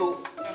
yang ini jak